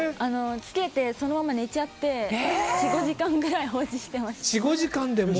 つけて、そのまま寝ちゃって４５時間ぐらい放置していました。